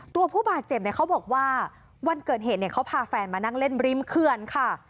ผู้บาดเจ็บเนี่ยเขาบอกว่าวันเกิดเหตุเขาพาแฟนมานั่งเล่นริมเขื่อนค่ะ